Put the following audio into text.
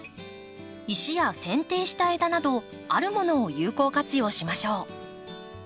石やせん定した枝などあるものを有効活用しましょう。